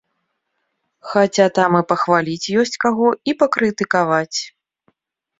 Хаця там і пахваліць ёсць каго, і пакрытыкаваць.